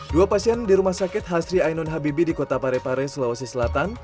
dua pasien di rumah sakit hasri ainun habibi di kota parepare sulawesi selatan